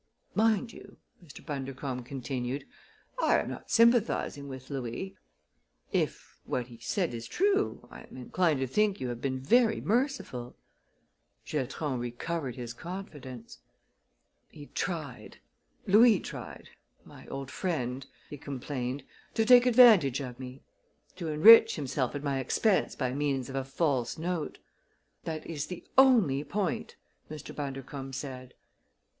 "Mind you," Mr. Bundercombe continued, "I am not sympathizing with Louis. If what he said is true I am inclined to think you have been very merciful." Giatron recovered his confidence. "He tried Louis tried my old friend," he complained, "to take advantage of me; to enrich himself at my expense by means of a false note." "That is the only point," Mr. Bundercombe said.